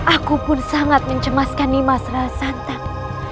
aku pun sangat mencemaskan nimas ral santang